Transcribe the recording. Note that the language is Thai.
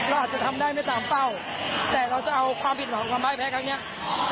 เราอาจจะทำได้ไม่ตามเป้าแต่เราจะเอาความผิดหวังความพ่ายแพ้ครั้งเนี้ย